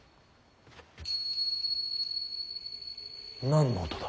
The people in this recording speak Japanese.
何の音だ。